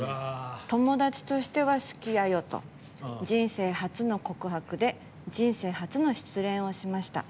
友達としては好きやよと人生初の告白で人生初の失恋をしました。